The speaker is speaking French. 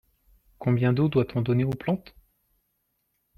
Combien d'eau doit-on donner aux plantes ?